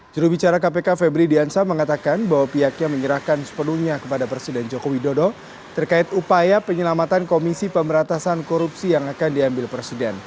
jurubicara kpk febri diansah mengatakan bahwa pihaknya menyerahkan sepenuhnya kepada presiden joko widodo terkait upaya penyelamatan komisi pemberatasan korupsi yang akan diambil presiden